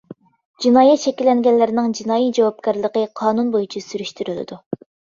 جىنايەت شەكىللەنگەنلەرنىڭ جىنايى جاۋابكارلىقى قانۇن بويىچە سۈرۈشتۈرۈلىدۇ.